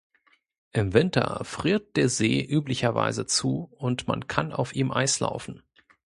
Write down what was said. Im Winter friert der See üblicherweise zu und man kann auf ihm eislaufen.